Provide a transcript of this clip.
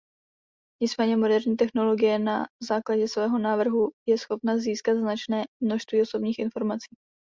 Nicméně moderní technologie na základě svého návrhu je schopna získat značné množství osobních informací.